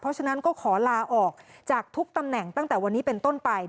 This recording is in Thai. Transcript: เพราะฉะนั้นก็ขอลาออกจากทุกตำแหน่งตั้งแต่วันนี้เป็นต้นไป